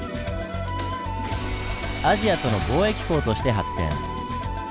アジアとの貿易港として発展。